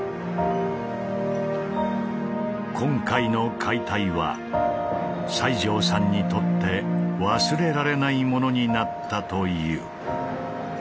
今回の解体は西城さんにとって忘れられないものになったという。